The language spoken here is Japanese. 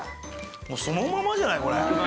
もうそのままじゃないこれ。